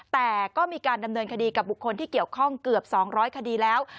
แต่ก็มีการดำเนินคดีกับบุคคลที่เกี่ยวข้องเกือบ๒๐๐คดีแล้ว